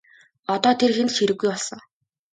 Одоо тэр хэнд ч хэрэггүй болсон.